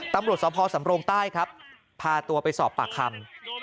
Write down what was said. ตำรวจสภสำรงใต้ครับพาตัวไปสอบปากคำ